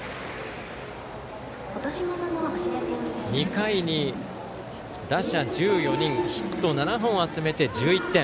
２回に打者１４人ヒット７本集めて１１点。